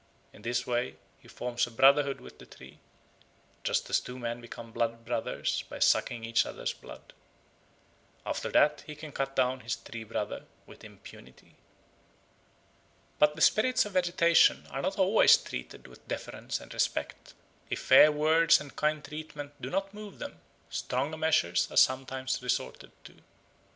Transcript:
In this way he forms a brotherhood with the tree, just as two men become blood brothers by sucking each other's blood. After that he can cut down his tree brother with impunity. But the spirits of vegetation are not always treated with deference and respect. If fair words and kind treatment do not move them, stronger measures are sometimes resorted to.